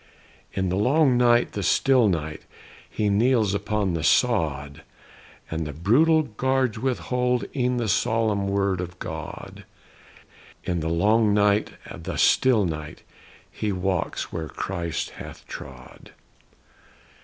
In the long night, the still night, He kneels upon the sod; And the brutal guards withhold E'en the solemn word of God! In the long night, the still night, He walks where Christ hath trod.